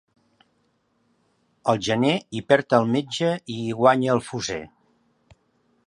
Al gener hi perd el metge i hi guanya el fosser.